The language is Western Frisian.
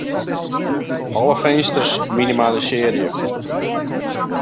Alle finsters minimalisearje.